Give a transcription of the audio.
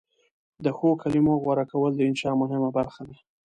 د ښو کلمو غوره کول د انشأ مهمه برخه ده.